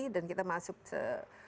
dan kita masuk ke fase ppkm dan ppkm